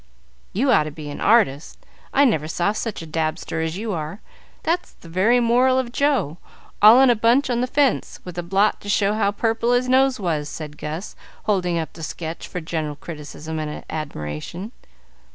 "You ought to be an artist. I never saw such a dabster as you are. That's the very moral of Joe, all in a bunch on the fence, with a blot to show how purple his nose was," said Gus, holding up the sketch for general criticism and admiration.